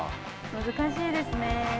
難しいですね。